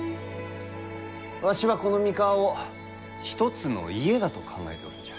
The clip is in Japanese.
わしは、この三河を一つの家だと考えておるんじゃ。